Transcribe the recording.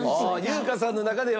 優香さんの中では。